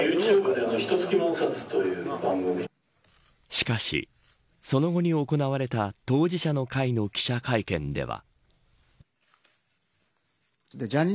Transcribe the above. しかし、その後に行われた当事者の会の記者会見では。